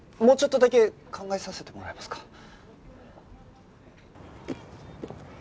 もうちょっとだけ考えさせてもらえますか。